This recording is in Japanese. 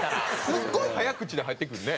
すごい早口で入ってくるね。